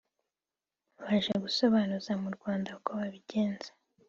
baje gusobanuza mu Rwanda uko babigenza